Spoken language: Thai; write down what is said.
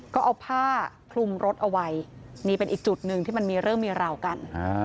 ก็เอาผ้าคลุมรถเอาไว้นี่เป็นอีกจุดหนึ่งที่มันมีเรื่องมีราวกัน